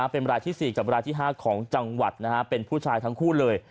เป็นรายที่๔กับรายที่๕ของจังหวัดเป็นผู้ชายทั้งคู่เลย